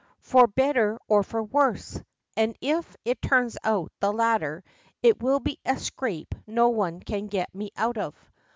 'For better or for worse,' and if it turns out the latter it will be a scrape no one can get me out of.